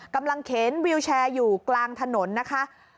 เข็นวิวแชร์อยู่กลางถนนนะคะ